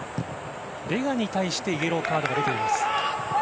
ベガに対してイエローカードが出ています。